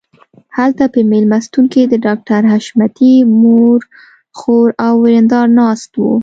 هلته په مېلمستون کې د ډاکټر حشمتي مور خور او ورېندار ناست وو